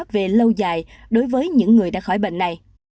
về lâu dài đối với những người đã khỏi bệnh này